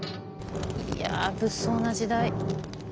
いや物騒な時代。